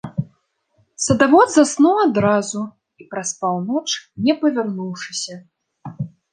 Садавод заснуў адразу і праспаў ноч, не павярнуўшыся.